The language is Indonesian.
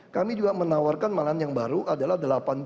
kami juga menawarkan malahan yang baru adalah delapan puluh